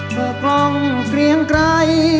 เกือบร่องเกลียงไกล